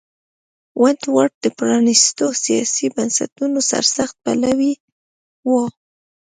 ونټ ورت د پرانیستو سیاسي بنسټونو سرسخت پلوی و.